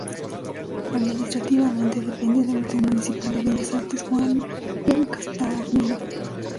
Administrativamente depende del Museo Municipal de Bellas Artes Juan B. Castagnino.